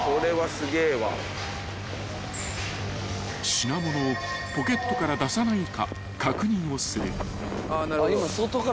［品物をポケットから出さないか確認をする］